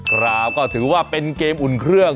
ครับก็ถือว่าเป็นเกมอุ่นเครื่อง